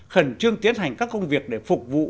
khẩn trương tiến hành các công việc để phục vụ